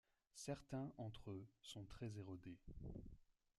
Certains entre-eux sont très érodés.